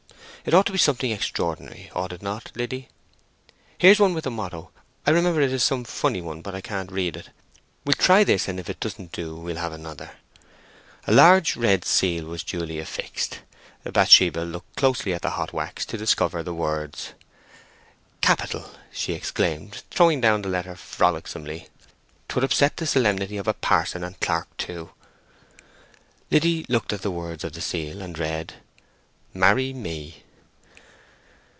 It ought to be something extraordinary, ought it not, Liddy? Here's one with a motto—I remember it is some funny one, but I can't read it. We'll try this, and if it doesn't do we'll have another." A large red seal was duly affixed. Bathsheba looked closely at the hot wax to discover the words. "Capital!" she exclaimed, throwing down the letter frolicsomely. "'Twould upset the solemnity of a parson and clerke too." Liddy looked at the words of the seal, and read— "MARRY ME."